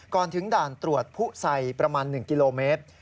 ก่อนถึงด่านตรวจผู้ไซประมาณ๑กิโลเมตร